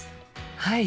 はい！